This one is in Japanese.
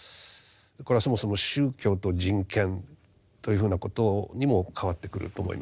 これはそもそも宗教と人権というふうなことにも関わってくると思います。